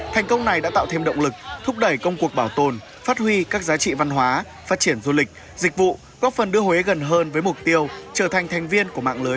thành công này đã tạo thêm động lực thúc đẩy công cuộc bảo tồn phát huy các giá trị văn hóa phát triển du lịch dịch vụ góp phần đưa huế gần hơn với mục tiêu trở thành thành viên của mạng lưới